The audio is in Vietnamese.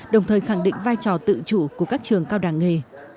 đồng thời khẳng định vai trò tự chủ của các trường cao đẳng nghề